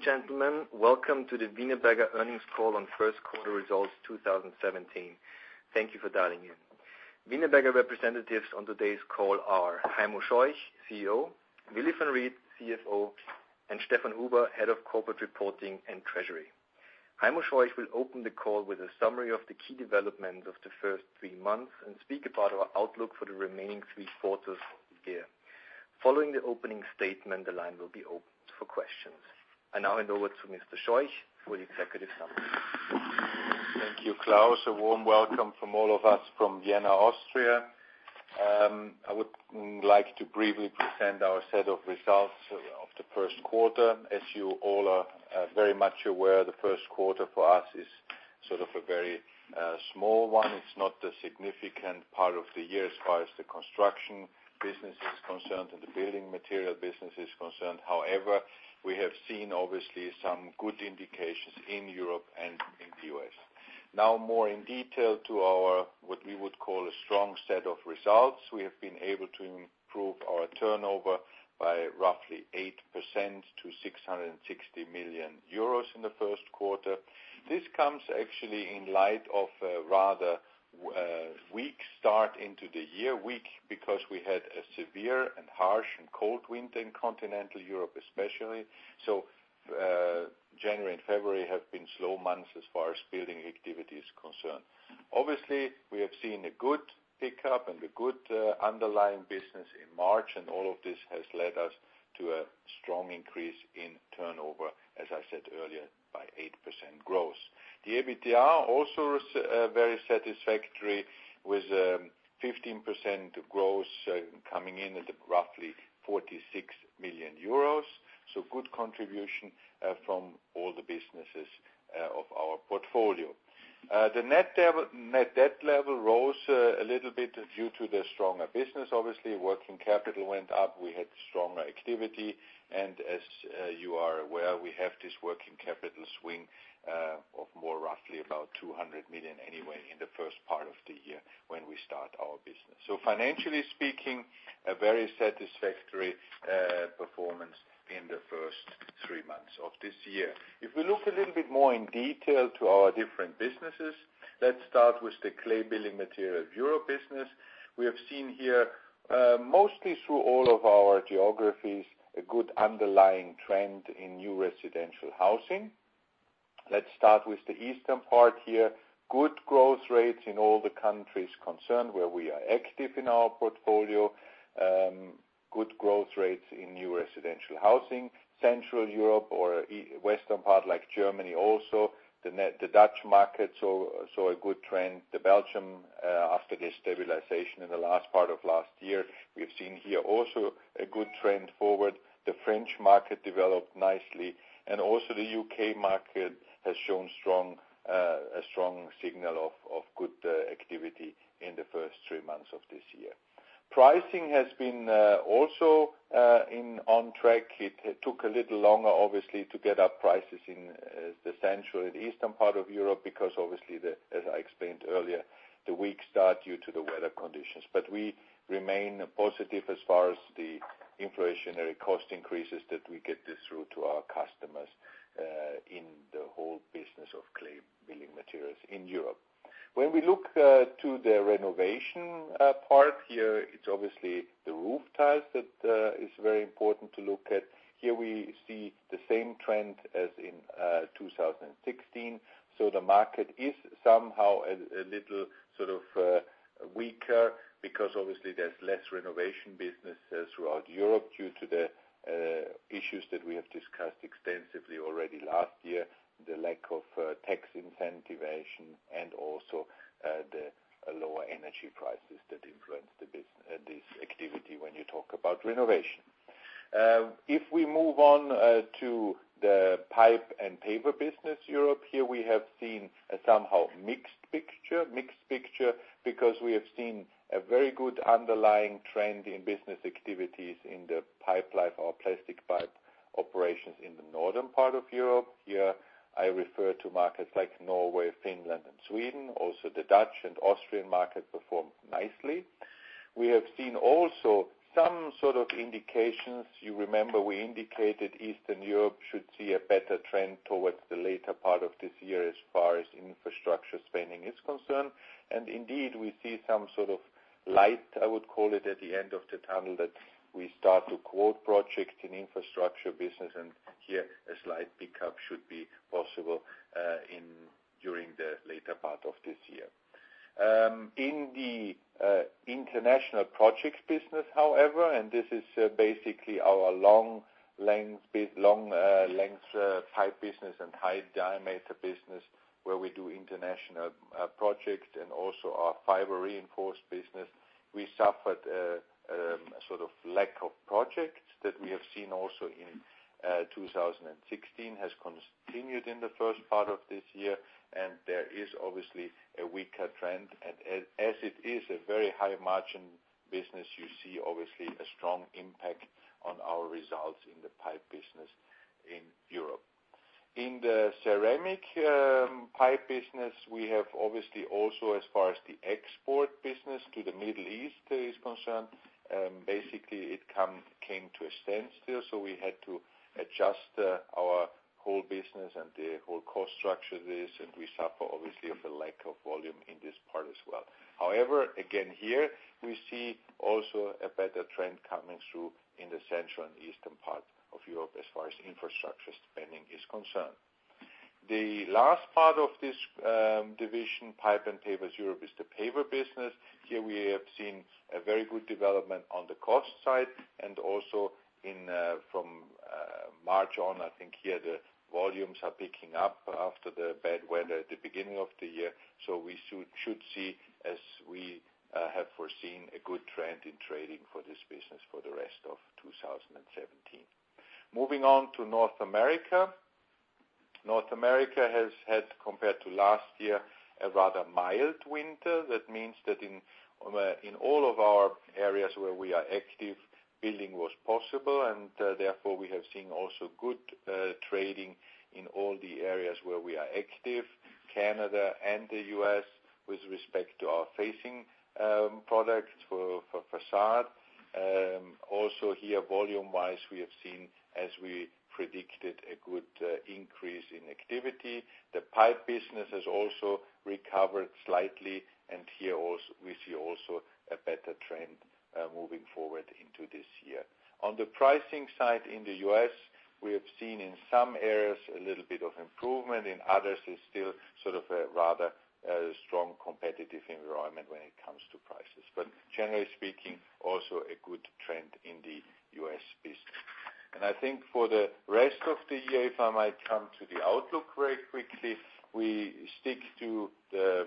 Ladies and gentlemen, welcome to the Wienerberger earnings call on first quarter results 2017. Thank you for dialing in. Wienerberger representatives on today's call are Heimo Scheuch, CEO, Willy van Riet, CFO, and Stefan Oeber, Head of Corporate Reporting and Treasury. Heimo Scheuch will open the call with a summary of the key development of the first three months and speak about our outlook for the remaining three quarters of the year. Following the opening statement, the line will be opened for questions. I now hand over to Mr. Scheuch for the executive summary. Thank you, Klaus. A warm welcome from all of us from Vienna, Austria. I would like to briefly present our set of results of the first quarter. As you all are very much aware, the first quarter for us is sort of a very small one. It's not a significant part of the year as far as the construction business is concerned and the building material business is concerned. However, we have seen obviously some good indications in Europe and in the U.S. Now more in detail to our, what we would call, a strong set of results. We have been able to improve our turnover by roughly 8% to 660 million euros in the first quarter. This comes actually in light of a rather weak start into the year. Weak because we had a severe and harsh and cold winter in continental Europe, especially. January and February have been slow months as far as building activity is concerned. Obviously, we have seen a good pickup and a good underlying business in March, and all of this has led us to a strong increase in turnover, as I said earlier, by 8% growth. The EBITDA also is very satisfactory with 15% growth coming in at roughly EUR 46 million. The net debt level rose a little bit due to the stronger business. Obviously, working capital went up. We had stronger activity, and as you are aware, we have this working capital swing of more roughly about 200 million anyway in the first part of the year when we start our business. Financially speaking, a very satisfactory performance in the first three months of this year. If we look a little bit more in detail to our different businesses, let's start with the Clay Building Materials Europe business. We have seen here, mostly through all of our geographies, a good underlying trend in new residential housing. Let's start with the eastern part here. Good growth rates in all the countries concerned where we are active in our portfolio. Good growth rates in new residential housing, Central Europe or western part like Germany also. The Dutch market saw a good trend. Belgium, after the stabilization in the last part of last year, we have seen here also a good trend forward. The French market developed nicely, and also the U.K. market has shown a strong signal of good activity in the first three months of this year. Pricing has been also on track. It took a little longer, obviously, to get up prices in the central and eastern part of Europe because obviously, as I explained earlier, the weak start due to the weather conditions. We remain positive as far as the inflationary cost increases that we get this through to our customers in the whole business of Clay Building Materials Europe. When we look to the renovation part here, it's obviously the roof tiles that is very important to look at. Here we see the same trend as in 2016. The market is somehow a little sort of weaker because obviously there's less renovation business throughout Europe due to the issues that we have discussed extensively already last year, the lack of tax incentivization, and also the lower energy prices that influence this activity when you talk about renovation. If we move on to the Pipes & Pavers Europe, here we have seen a somehow mixed picture. Mixed picture because we have seen a very good underlying trend in business activities in the Pipelife or plastic pipe operations in the northern part of Europe. Here I refer to markets like Norway, Finland, and Sweden. Also, the Dutch and Austrian market performed nicely. We have seen also some sort of indications. You remember we indicated Eastern Europe should see a better trend towards the later part of this year as far as infrastructure spending is concerned. Indeed, we see some sort of light, I would call it, at the end of the tunnel that we start to quote projects in infrastructure business, and here a slight pickup should be possible during the later part of this year. In the international projects business, however, this is basically our long length pipe business and high diameter business where we do international projects and also our fiber-reinforced business. We suffered a sort of lack of projects that we have seen also in 2016, has continued in the first part of this year, and there is obviously a weaker trend. As it is a very high margin business, you see obviously a strong impact on our results in the pipe business in Europe. In the ceramic pipe business, we have obviously also as far as the export business to the Middle East is concerned, basically it came to a standstill, so we had to adjust our whole business and the whole cost structure of this, and we suffer obviously of a lack of volume in this part as well. Again here, we see also a better trend coming through in the central and eastern part of Europe as far as infrastructure spending is concerned. The last part of this division, Pipes & Pavers Europe, is the paver business. Here we have seen a very good development on the cost side and also from March on, I think here the volumes are picking up after the bad weather at the beginning of the year. We should see, as we have foreseen, a good trend in trading for this business for the rest of 2017. Moving on to North America. North America has had, compared to last year, a rather mild winter. That means that in all of our areas where we are active, building was possible, and therefore we have seen also good trading in all the areas where we are active. Canada and the U.S. with respect to our facing products for facade. Also here, volume-wise, we have seen, as we predicted, a good increase in activity. The pipe business has also recovered slightly, and here we see also a better trend moving forward into this year. On the pricing side in the U.S., we have seen in some areas a little bit of improvement. In others, it is still a rather strong competitive environment when it comes to prices. Generally speaking, also a good trend in the U.S. business. I think for the rest of the year, if I might come to the outlook very quickly, we stick to the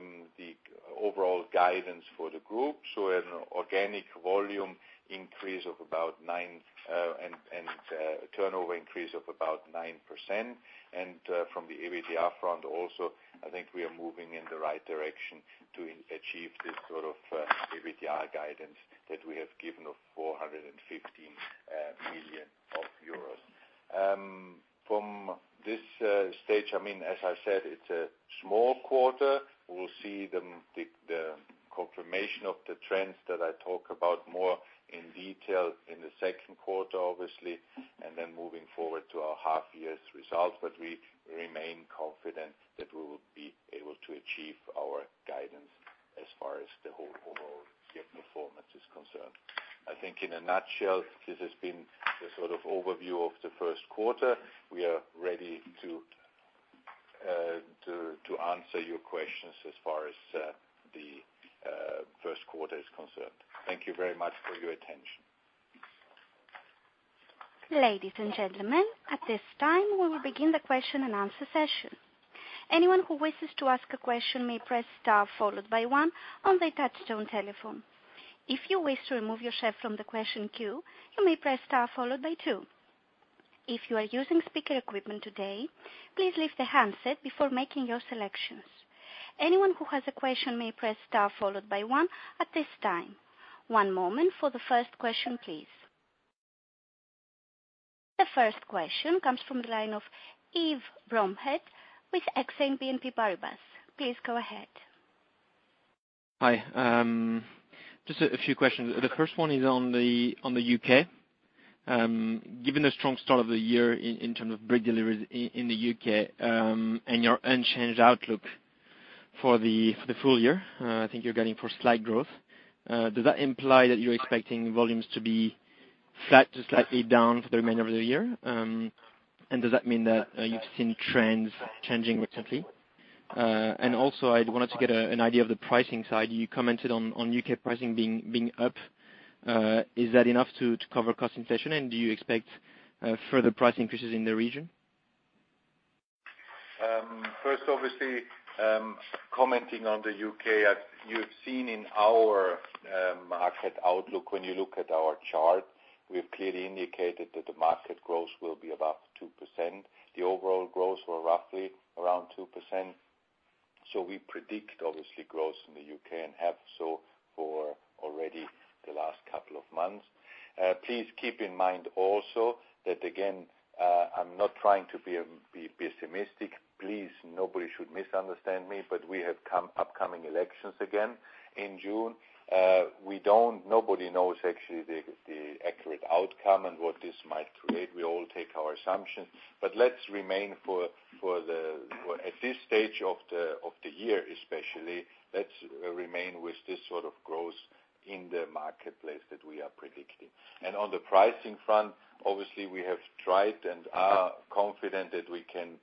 overall guidance for the group. An organic volume increase and turnover increase of about 9%. From the EBITDA front also, I think we are moving in the right direction to achieve this sort of EBITDA guidance that we have given of 415 million euros. From this stage, as I said, it is a small quarter. We will see the confirmation of the trends that I talk about more in detail in the second quarter, obviously, moving forward to our half-year's results. We remain confident that we will be able to achieve our guidance as far as the whole overall set performance is concerned. In a nutshell, this has been the sort of overview of the first quarter. We are ready to answer your questions as far as the first quarter is concerned. Thank you very much for your attention. Ladies and gentlemen, at this time, we will begin the question-and-answer session. Anyone who wishes to ask a question may press star followed by one on their touch-tone telephone. If you wish to remove yourself from the question queue, you may press star followed by two. If you are using speaker equipment today, please leave the handset before making your selections. Anyone who has a question may press star followed by one at this time. One moment for the first question, please. The first question comes from the line of Yves Bromehead with Exane BNP Paribas. Please go ahead. Hi. Just a few questions. The first one is on the U.K. Given the strong start of the year in terms of brick deliveries in the U.K. and your unchanged outlook for the full year, I think you are guiding for slight growth. Does that imply that you are expecting volumes to be flat to slightly down for the remainder of the year? Does that mean that you have seen trends changing recently? Also, I wanted to get an idea of the pricing side. You commented on U.K. pricing being up. Is that enough to cover cost inflation? Do you expect further price increases in the region? First, obviously, commenting on the U.K., you've seen in our market outlook, when you look at our chart, we've clearly indicated that the market growth will be above 2%. The overall growth were roughly around 2%. We predict, obviously, growth in the U.K. and have so for already the last couple of months. Please keep in mind also that, again, I'm not trying to be pessimistic. Please, nobody should misunderstand me, but we have upcoming elections again in June. Nobody knows actually the accurate outcome and what this might create. We all take our assumptions, but at this stage of the year especially, let's remain with this sort of growth in the marketplace that we are predicting. On the pricing front, obviously, we have tried and are confident that we can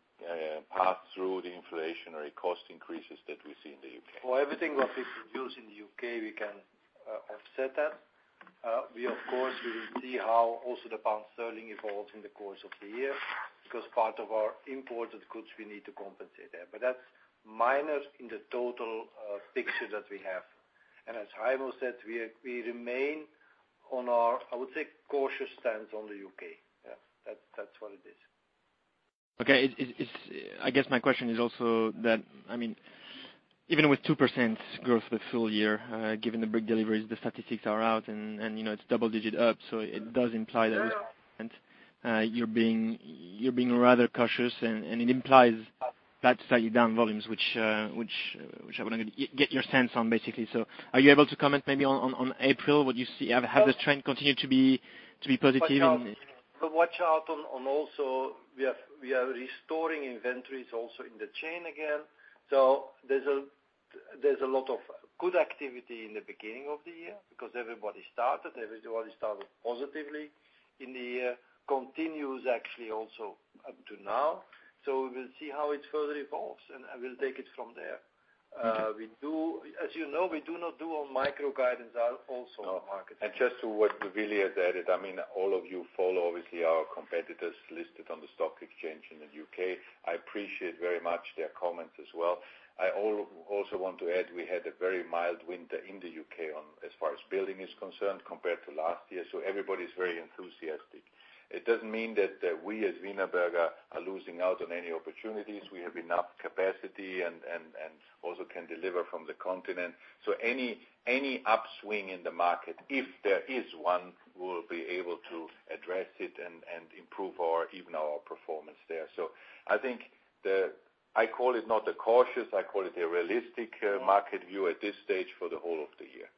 pass through the inflationary cost increases that we see in the U.K. For everything what we produce in the U.K., we can offset that. We, of course, will see how also the pound sterling evolves in the course of the year, because part of our imported goods, we need to compensate there. That's minor in the total picture that we have. As Heimo said, we remain on our, I would say, cautious stance on the U.K. Yeah. That's what it is. I guess my question is also that even with 2% growth the full year, given the brick deliveries, the statistics are out and it's double digit up. It does imply that you're being rather cautious and it implies that slightly down volumes, which I want to get your sense on, basically. Are you able to comment maybe on April, would you say has the trend continued to be positive? Watch out on also, we are restoring inventories also in the chain again. There's a lot of good activity in the beginning of the year because everybody started positively in the year, continues actually also up to now. We will see how it further evolves, and we'll take it from there. Okay. As you know, we do not do on micro guidance also on the market. Just to what Willy added, all of you follow obviously our competitors listed on the stock exchange in the U.K. I appreciate very much their comments as well. I also want to add, we had a very mild winter in the U.K. as far as building is concerned, compared to last year, so everybody's very enthusiastic. It doesn't mean that we as Wienerberger are losing out on any opportunities. We have enough capacity and also can deliver from the continent. Any upswing in the market, if there is one, we'll be able to address it and improve even our performance there. I think, I call it not a cautious, I call it a realistic market view at this stage for the whole of the year.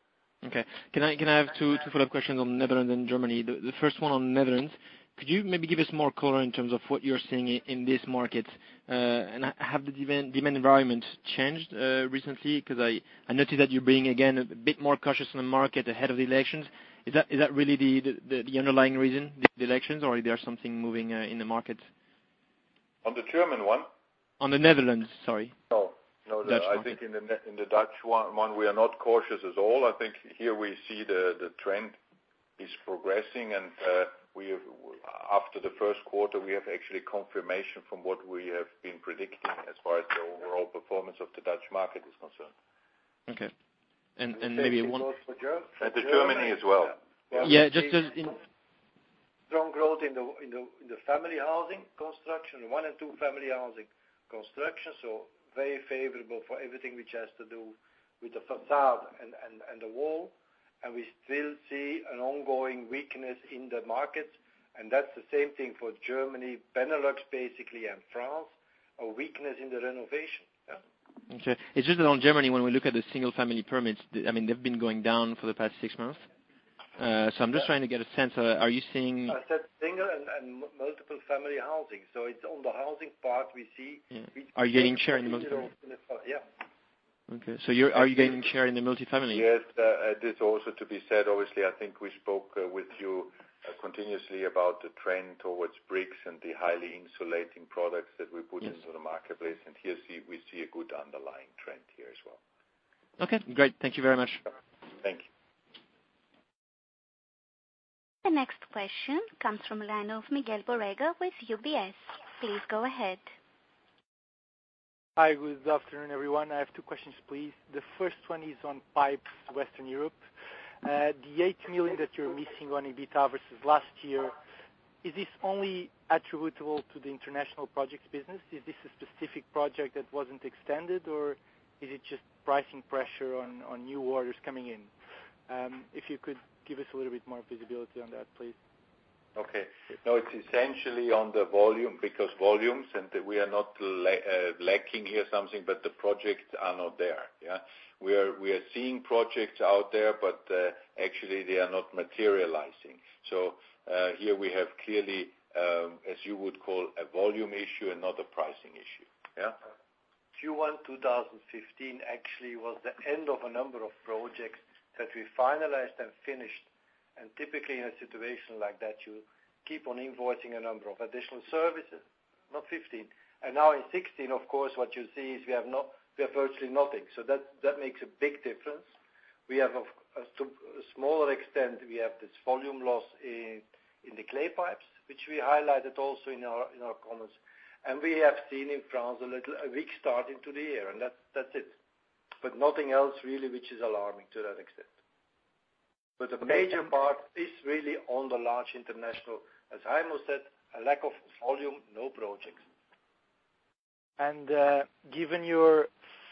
Okay. Can I have two follow-up questions on Netherlands and Germany? The first one on Netherlands. Could you maybe give us more color in terms of what you're seeing in this market? Have the demand environment changed recently? I noted that you're being, again, a bit more cautious on the market ahead of the elections. Is that really the underlying reason, the elections, or is there something moving in the market? On the German one? On the Netherlands, sorry. Dutch market. No, I think in the Dutch one, we are not cautious at all. I think here we see the trend is progressing, and after the first quarter, we have actually confirmation from what we have been predicting as far as the overall performance of the Dutch market is concerned. Okay. The same applies for Germany. For Germany as well. Yeah. Strong growth in the family housing construction, one and two family housing construction. Very favorable for everything which has to do with the facade and the wall. We still see an ongoing weakness in the market. That's the same thing for Germany, Benelux, basically, and France, a weakness in the renovation. Okay. It's just that on Germany, when we look at the single-family permits, they've been going down for the past six months. I'm just trying to get a sense. I said single and multiple family housing. It's on the housing part we see. Are you gaining share in the multifamily? Yeah. Okay. Are you gaining share in the multifamily? Yes. This also to be said, obviously, I think we spoke with you continuously about the trend towards bricks and the highly insulating products that we put into the marketplace. Yes. Here we see a good underlying trend here as well. Okay, great. Thank you very much. Thank you. The next question comes from the line of Miguel Borrega with UBS. Please go ahead. Hi. Good afternoon, everyone. I have two questions please. The first one is on Pipes, Western Europe. The 8 million that you're missing on EBITDA versus last year, is this only attributable to the international projects business? Is this a specific project that wasn't extended, or is it just pricing pressure on new orders coming in? If you could give us a little bit more visibility on that, please. Okay. No, it's essentially on the volume because volumes, and we are not lacking here something, but the projects are not there. We are seeing projects out there, but actually they are not materializing. Here we have clearly, as you would call a volume issue and not a pricing issue. Q1 2015 actually was the end of a number of projects that we finalized and finished. Typically, in a situation like that, you keep on invoicing a number of additional services, not 15. Now in 2016, of course, what you see is we have virtually nothing. That makes a big difference. We have a smaller extent, we have this volume loss in the clay pipes, which we highlighted also in our comments. We have seen in France a weak start into the year, and that's it. Nothing else really which is alarming to that extent. The major part is really on the large international, as Heimo said, a lack of volume, no projects. Given your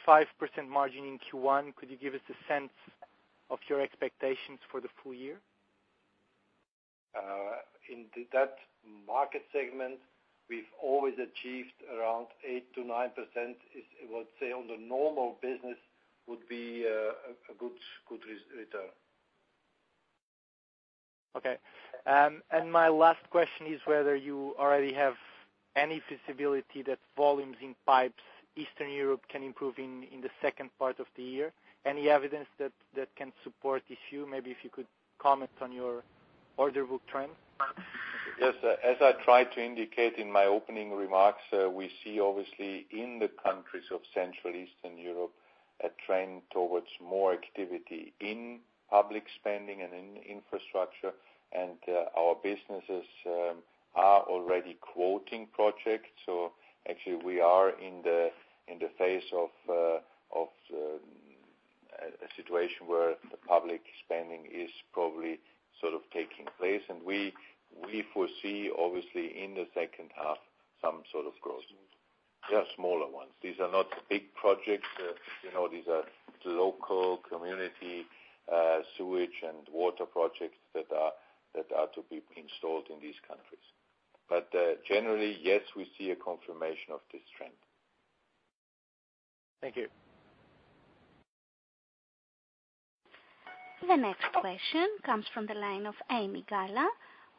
5% margin in Q1, could you give us a sense of your expectations for the full year? In that market segment, we've always achieved around 8%-9%, I would say on the normal business would be a good return. Okay. My last question is whether you already have any visibility that volumes in pipes Eastern Europe can improve in the second part of the year. Any evidence that can support this view? Maybe if you could comment on your order book trend. Yes. As I tried to indicate in my opening remarks, we see obviously in the countries of Central Eastern Europe, a trend towards more activity in public spending and in infrastructure. Our businesses are already quoting projects. Actually we are in the phase of Situation where the public spending is probably taking place, and we foresee, obviously, in the second half, some sort of growth. Smaller. Yeah, smaller ones. These are not big projects. These are local community sewage and water projects that are to be installed in these countries. Generally, yes, we see a confirmation of this trend. Thank you. The next question comes from the line of Ami Galla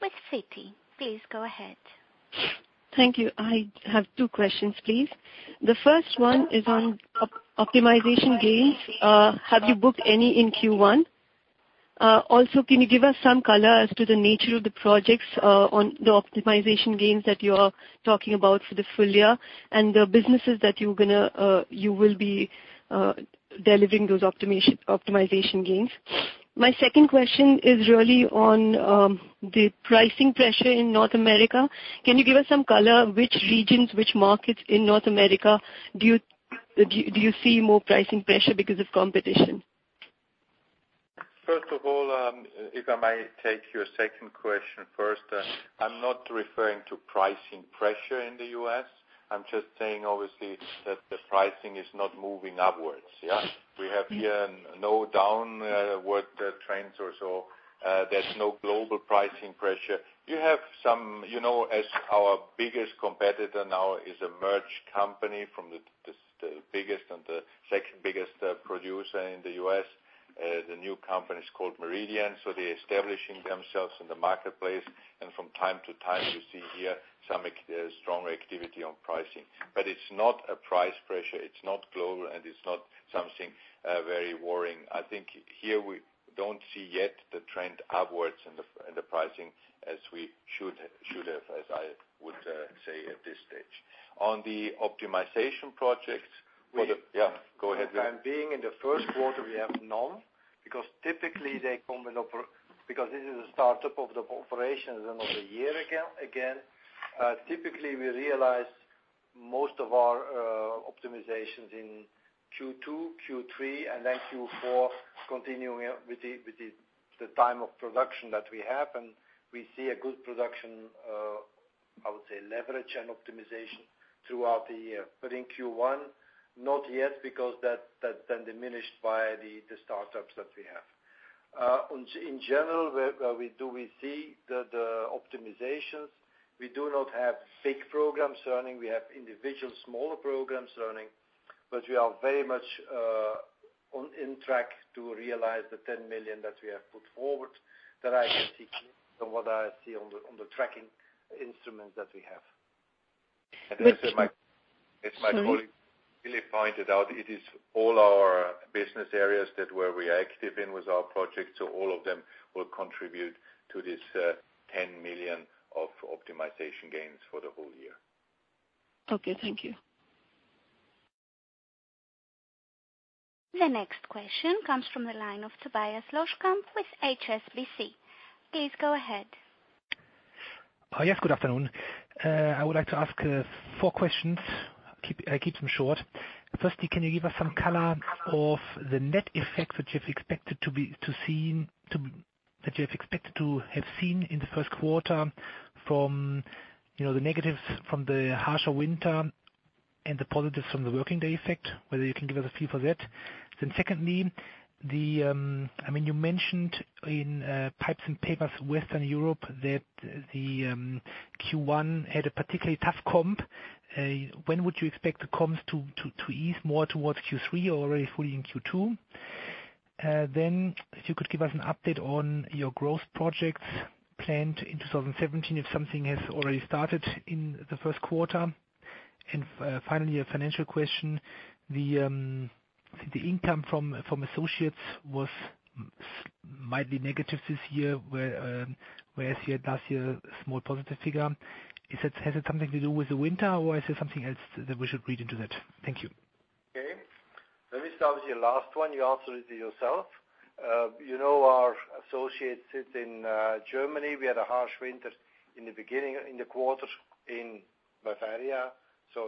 with Citi. Please go ahead. Thank you. I have two questions, please. The first one is on optimization gains. Have you booked any in Q1? Also, can you give us some color as to the nature of the projects on the optimization gains that you are talking about for the full year, and the businesses that you will be delivering those optimization gains? My second question is really on the pricing pressure in North America. Can you give us some color, which regions, which markets in North America do you see more pricing pressure because of competition? First of all, if I might take your second question first. I'm not referring to pricing pressure in the U.S. I'm just saying, obviously, that the pricing is not moving upwards. We have here no downward trends or so. There's no global pricing pressure. As our biggest competitor now is a merged company from the biggest and the second biggest producer in the U.S. The new company is called Meridian. They're establishing themselves in the marketplace. From time to time, you see here some strong activity on pricing. It's not a price pressure, it's not global, and it's not something very worrying. I think here we don't see yet the trend upwards in the pricing as we should have, as I would say at this stage. On the optimization projects for the Yeah, go ahead. Time being in the first quarter, we have none, because this is a startup of the operations another year again. Typically, we realize most of our optimizations in Q2, Q3, and then Q4, continuing with the time of production that we have. We see a good production, I would say, leverage and optimization throughout the year. In Q1, not yet, because that then diminished by the startups that we have. In general, where we do we see the optimizations, we do not have big programs running. We have individual smaller programs running. We are very much in track to realize the 10 million that we have put forward, that I can see from what I see on the tracking instruments that we have. As my colleague, Philipp pointed out, it is all our business areas that where we are active in with our projects. All of them will contribute to this 10 million of optimization gains for the whole year. Okay. Thank you. The next question comes from the line of Tobias Woerner with HSBC. Please go ahead. Yes, good afternoon. I would like to ask four questions. I keep them short. Firstly, can you give us some color of the net effects that you've expected to have seen in the first quarter from the negatives from the harsher winter, and the positives from the working day effect, whether you can give us a feel for that. Secondly, you mentioned in Pipes & Pavers Western Europe that the Q1 had a particularly tough comp. When would you expect the comps to ease more towards Q3 or already fully in Q2? If you could give us an update on your growth projects planned in 2017, if something has already started in the first quarter. Finally, a financial question. The income from associates might be negative this year, whereas here last year, a small positive figure. Has it something to do with the winter, or is it something else that we should read into that? Thank you. Okay. Let me start with your last one. You answered it yourself. You know our associates sit in Germany. We had a harsh winter in the beginning, in the quarter in Bavaria.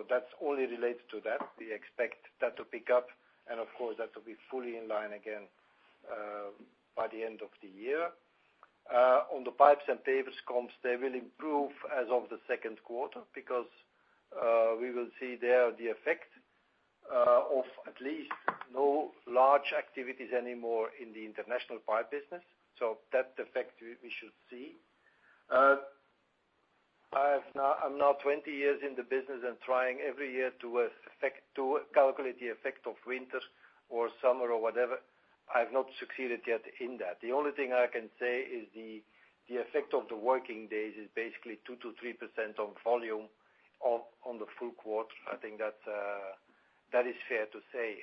That's only related to that. We expect that to pick up, and of course, that will be fully in line again by the end of the year. On the Pipes & Pavers comps, they will improve as of the second quarter, because we will see there the effect of at least no large activities anymore in the international pipe business. That effect we should see. I'm now 20 years in the business and trying every year to calculate the effect of winter or summer or whatever. I've not succeeded yet in that. The only thing I can say is the effect of the working days is basically 2%-3% on volume on the full quarter. I think that is fair to say.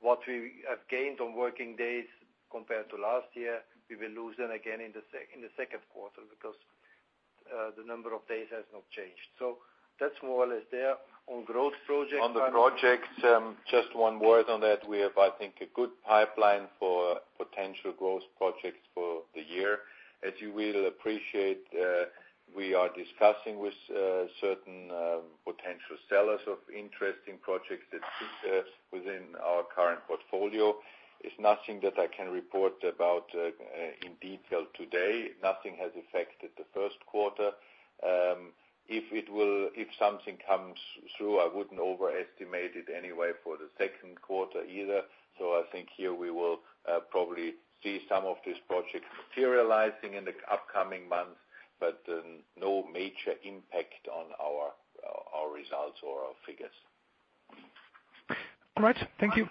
What we have gained on working days compared to last year, we will lose them again in the second quarter because the number of days has not changed. That's more or less there. On the projects, just one word on that. We have, I think, a good pipeline for Growth projects for the year. As you will appreciate, we are discussing with certain potential sellers of interesting projects that fit within our current portfolio. It's nothing that I can report about in detail today. Nothing has affected the first quarter. If something comes through, I wouldn't overestimate it anyway for the second quarter either. I think here we will probably see some of these projects materializing in the upcoming months, but no major impact on our results or our figures. All right. Thank you.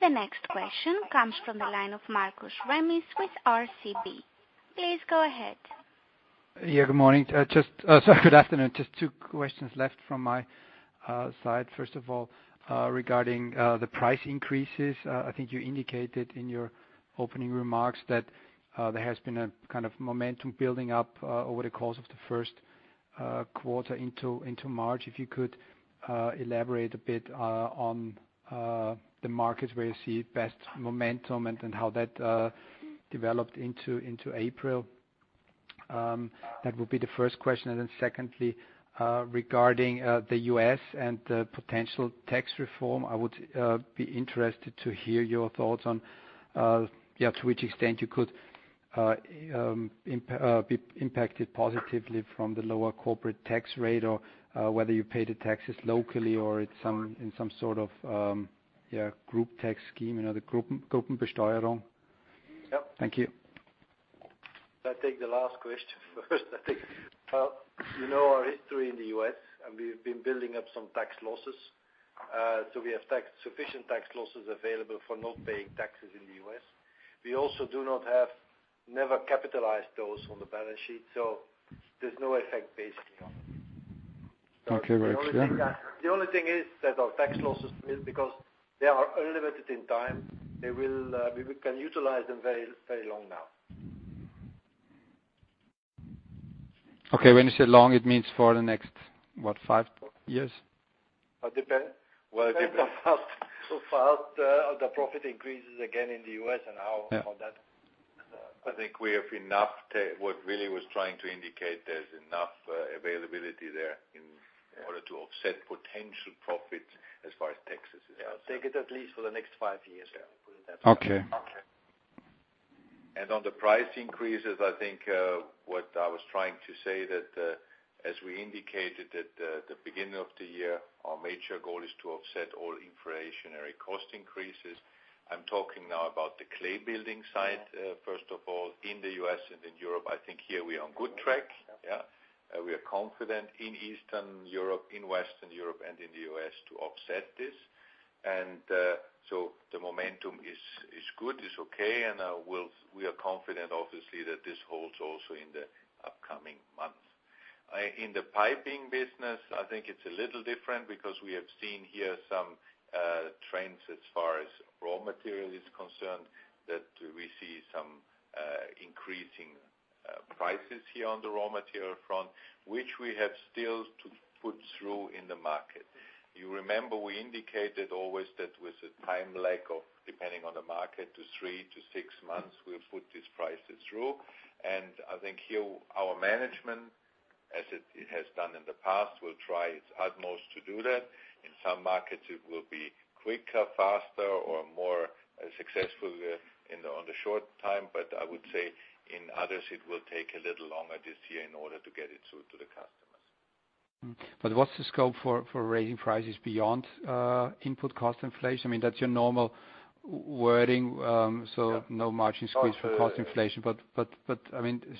The next question comes from the line of Markus Remis with RCB. Please go ahead. Good morning. Sorry, good afternoon. Just two questions left from my side. First of all, regarding the price increases. I think you indicated in your opening remarks that there has been a kind of momentum building up over the course of the first quarter into March. If you could elaborate a bit on the markets where you see best momentum and how that developed into April. That would be the first question. Secondly, regarding the U.S. and the potential tax reform, I would be interested to hear your thoughts on to which extent you could be impacted positively from the lower corporate tax rate or whether you pay the taxes locally or in some sort of group tax scheme. You know, the Gruppenbesteuerung. Yep. Thank you. I'll take the last question first. You know our history in the U.S., we've been building up some tax losses. We have sufficient tax losses available for not paying taxes in the U.S. We also do not never capitalized those on the balance sheet, there's no effect basically on it. Okay. Right. Yeah. The only thing is that our tax losses, because they are unlimited in time, we can utilize them very long now. Okay, when you say long, it means for the next, what, five years? It depends. How fast the profit increases again in the U.S. Yeah. I think what Willy was trying to indicate, there's enough availability there in order to offset potential profits as far as taxes is concerned. Take it at least for the next five years. Yeah. Okay. On the price increases, I think, what I was trying to say, that as we indicated at the beginning of the year, our major goal is to offset all inflationary cost increases. I'm talking now about the clay building side, first of all, in the U.S. and in Europe. I think here we are on good track. We are confident in Eastern Europe, in Western Europe, and in the U.S. to offset this. The momentum is good, is okay, and we are confident obviously that this holds also in the upcoming months. In the piping business, I think it's a little different because we have seen here some trends as far as raw material is concerned, that we see some increasing prices here on the raw material front, which we have still to put through in the market. You remember we indicated always that with a time lag of, depending on the market, to three to six months, we'll put these prices through. I think here our management, as it has done in the past, will try its utmost to do that. In some markets, it will be quicker, faster, or more successful on the short time, I would say in others it will take a little longer this year in order to get it through to the customers. What's the scope for raising prices beyond input cost inflation? That's your normal wording, so no margin squeeze for cost inflation.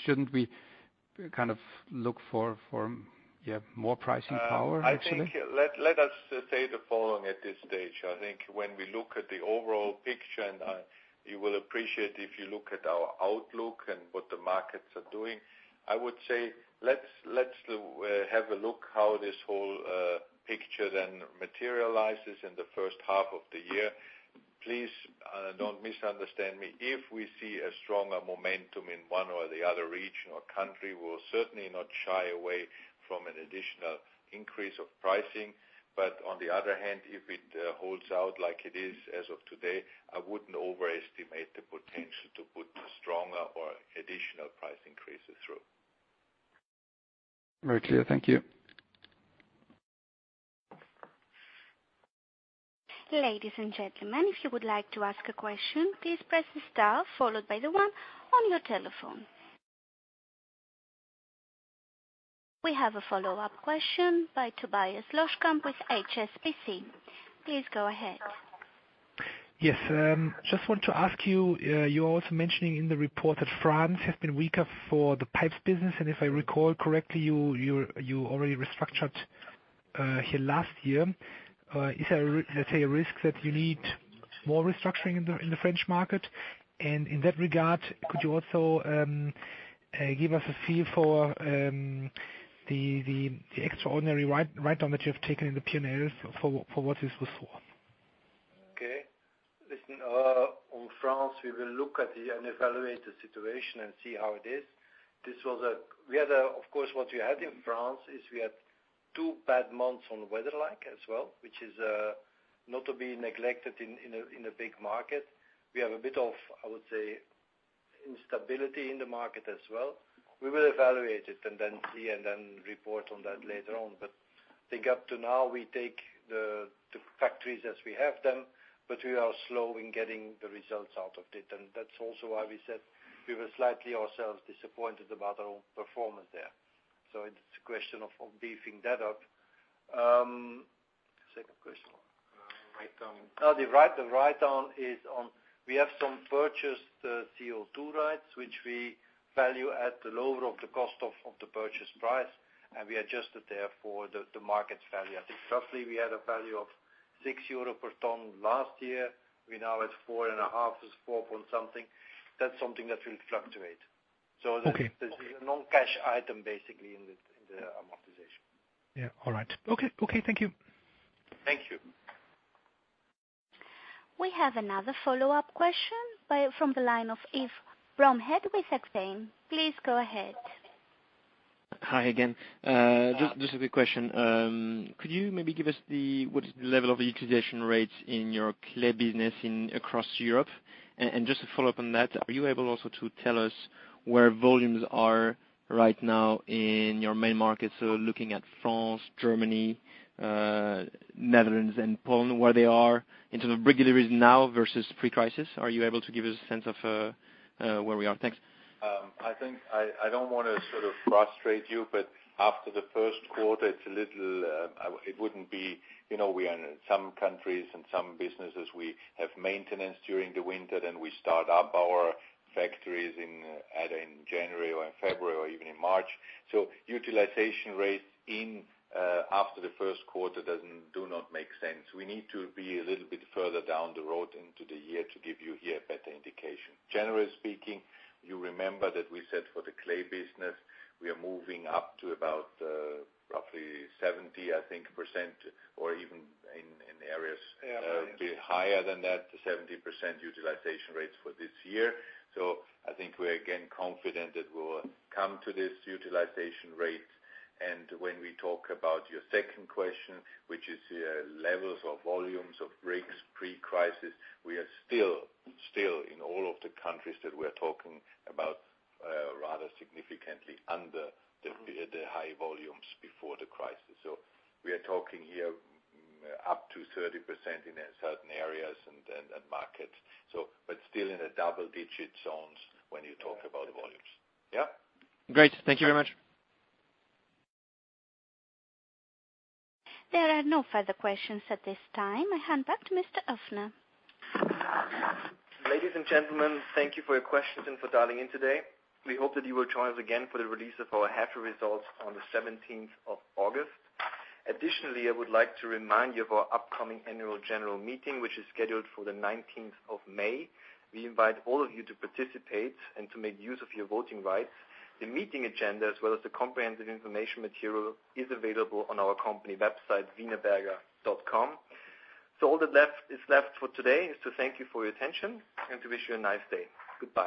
Shouldn't we look for more pricing power, actually? Let us say the following at this stage. I think when we look at the overall picture, and you will appreciate if you look at our outlook and what the markets are doing. I would say let's have a look how this whole picture then materializes in the first half of the year. Please don't misunderstand me. If we see a stronger momentum in one or the other region or country, we'll certainly not shy away from an additional increase of pricing. On the other hand, if it holds out like it is as of today, I wouldn't overestimate the potential to put stronger or additional price increases through. Very clear. Thank you. Ladies and gentlemen, if you would like to ask a question, please press star followed by the one on your telephone. We have a follow-up question by Tobias Woerner with HSBC. Please go ahead. Yes. Just want to ask you're also mentioning in the report that France has been weaker for the pipes business, and if I recall correctly, you already restructured here last year. Is there, let's say, a risk that you need more restructuring in the French market? In that regard, could you also give us a feel for the extraordinary write-down that you have taken in the P&L, for what this was for? Okay. Listen, on France, we will look at and evaluate the situation and see how it is. Of course, what we had in France is we had Two bad months on weather like as well, which is not to be neglected in a big market. We have a bit of, I would say, instability in the market as well. We will evaluate it and then see, and then report on that later on. I think up to now, we take the factories as we have them, but we are slow in getting the results out of it. That's also why we said we were slightly ourselves disappointed about our own performance there. It's a question of beefing that up. Second question. Write-down. The write-down is on, we have some purchased CO2 rights, which we value at the lower of the cost of the purchase price, and we adjusted therefore the market value. I think roughly we had a value of 6 euro per ton last year. We're now at 4.5, it's 4 point something. That's something that will fluctuate. Okay. This is a non-cash item, basically, in the amortization. Yeah, all right. Okay, thank you. Thank you. We have another follow-up question from the line of Yves Bromehead with Exane. Please go ahead. Hi again. Just a quick question. Could you maybe give us what is the level of utilization rates in your clay business across Europe? Just to follow up on that, are you able also to tell us where volumes are right now in your main markets? Looking at France, Germany, Netherlands, and Poland, where they are in terms of rigor now versus pre-crisis. Are you able to give us a sense of where we are? Thanks. I think I don't want to sort of frustrate you. After the first quarter, We are in some countries and some businesses, we have maintenance during the winter, We start up our factories either in January or in February or even in March. Utilization rates after the first quarter do not make sense. We need to be a little bit further down the road into the year to give you here a better indication. Generally speaking, you remember that we said for the clay business, we are moving up to about roughly 70%, I think, or even in areas a bit higher than that, 70% utilization rates for this year. I think we're again confident that we'll come to this utilization rate. When we talk about your second question, which is levels of volumes of bricks pre-crisis, we are still in all of the countries that we're talking about rather significantly under the high volumes before the crisis. We are talking here up to 30% in certain areas and markets. Still in the double-digit zones when you talk about volumes. Great. Thank you very much. There are no further questions at this time. I hand back to Mr. Ofner. Ladies and gentlemen, thank you for your questions and for dialing in today. We hope that you will join us again for the release of our half results on the 17th of August. Additionally, I would like to remind you of our upcoming annual general meeting, which is scheduled for the 19th of May. We invite all of you to participate and to make use of your voting rights. The meeting agenda, as well as the comprehensive information material, is available on our company website, wienerberger.com. All that is left for today is to thank you for your attention and to wish you a nice day. Goodbye.